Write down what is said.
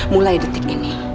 mulai detik ini